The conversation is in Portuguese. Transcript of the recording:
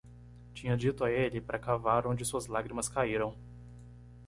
Tinha dito a ele para cavar onde suas lágrimas caíram.